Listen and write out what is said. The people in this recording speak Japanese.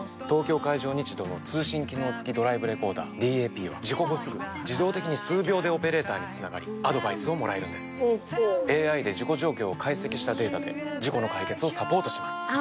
東京海上日動の通信機能付きドライブレコーダーＤＡＰは事故後すぐ自動的に数秒でオペレーターにつながりアドバイスをもらえるんですＡＩで事故状況を解析したデータで事故の解決をサポートします